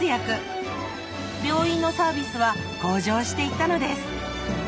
病院のサービスは向上していったのです。